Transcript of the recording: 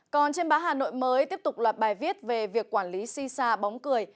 còn trên báo hà nội mới tiếp tục loạt bài viết về việc quản lý si sa bóng cười